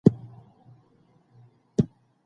ارمان کاکا په ارامه ساه واخیسته او سترګې یې پټې کړې.